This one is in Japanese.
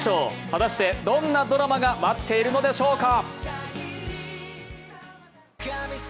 果たしてどんなドラマが待っているのでしょうか。